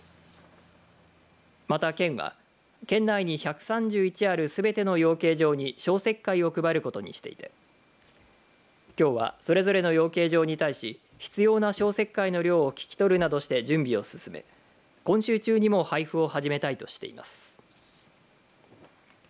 また、県は県内に１３１あるすべての養鶏場に消石灰を配ることにしていてきょうはそれぞれの養鶏場に対し必要な消石灰の量を聞き取るなどして準備を進め今週中にも配布を始めたいとしています。